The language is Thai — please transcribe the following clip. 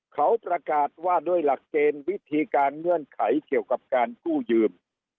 เขาประกาศว่าด้วยหลักเกณฑ์วิธีการเงื่อนไขเกี่ยวกับการกู้ยืม